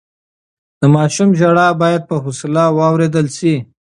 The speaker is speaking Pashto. د ماشوم ژړا بايد په حوصله واورېدل شي.